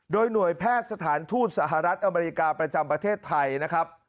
โดยหน่วยแพทย์สถานทูตสหรัฐอเมริกาประจำประเทศไทยนะครับ